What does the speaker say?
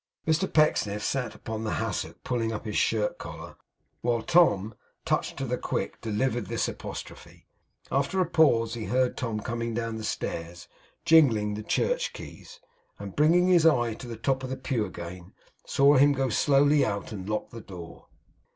Mr Pecksniff sat upon the hassock pulling up his shirt collar, while Tom, touched to the quick, delivered this apostrophe. After a pause he heard Tom coming down the stairs, jingling the church keys; and bringing his eye to the top of the pew again, saw him go slowly out and lock the door.